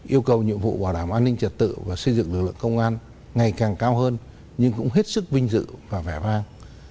yêu cầu nhiệm vụ bảo đảm an ninh trật tự và xây dựng lực lượng công an ngày càng cao hơn nhưng cũng hết sức vinh dự và vẻ vang